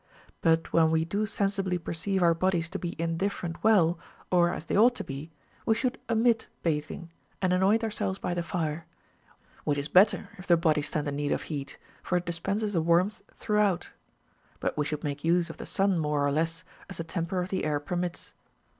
But when we do sensibly perceive our bodies to be indifferent well, or as they ought to be, we should omit bathing, and anoint ourselves by the fire ; which is better if the body stand in need of heat, for it dispenses a warmth throughout. But we should make use of the sun more or less, as the temper of the air per mits.